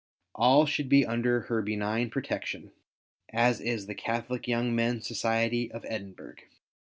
All should be under Her benign protection, as is the Catholic Young Men's Society of Edinburgh.